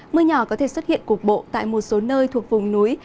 mưa nhỏ có thể xuất hiện cục bộ tại một số nơi thuộc vùng núi